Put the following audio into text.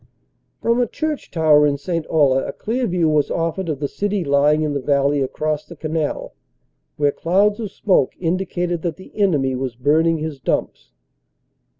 From a church tower in St. Olle a clear view was offered of the city lying in the valley across the canal, where clouds of smoke indicated that the enemy was burning his dumps.